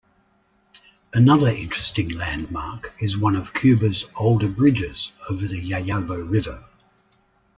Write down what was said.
Another interesting landmark is one of Cuba's older bridges over the Yayabo river.